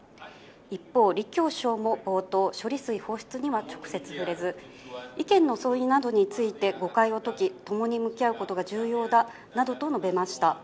一方、李強首相も冒頭、処理水放出には直接触れず、意見の相違などについて誤解を解き、共に向き合うことが重要だなどと述べました。